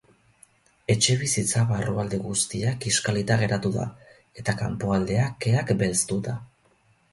Etxebizitza barrualde guztia kiskalita geratu da, eta kanpoaldea keak belztuta.